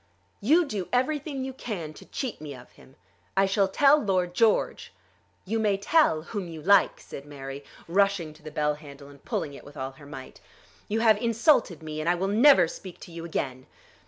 "You do everything you can to cheat me of him. I shall tell Lord George." "You may tell whom you like," said Mary, rushing to the bell handle and pulling it with all her might. "You have insulted me, and I will never speak to you again."